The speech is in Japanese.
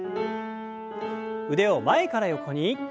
腕を前から横に。